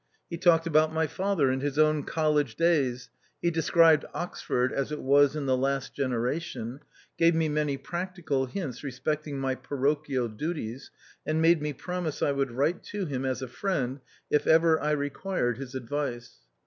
He talked about my father and his own college days, de scribed Oxford as it was in the last genera tion, gave me many practical hints respect ing my parochial duties, and made me promise I would write to him as a friend if ever I required his advice.